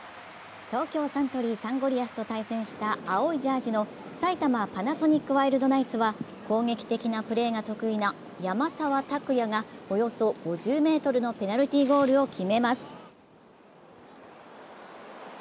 東京サントリーサンゴリアスと対戦した青いジャージの埼玉パナソニックワイルドナイツは攻撃的なプレーが得意な山沢拓也がおよそ５０ｍのペナルティーゴールを決めます。